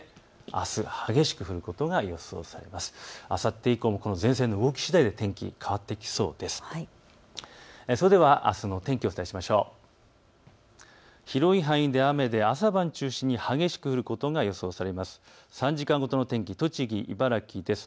あさって以降もこの前線の動きしだいで天気が変わってきそうです。